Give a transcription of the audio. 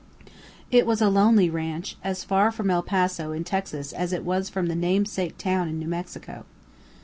It was a lonely ranch, as far from El Paso in Texas as it was from the namesake town in New Mexico.